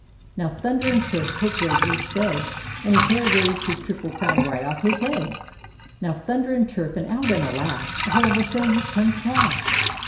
"" Now Thunder and turf !" Pope Gregory said. And his hair raised his triple crown right off his head —" Now Thunder and turf! and out and alas! A horrible thing has come to pass!